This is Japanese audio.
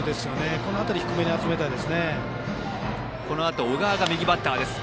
この辺りを低めに集めたいです。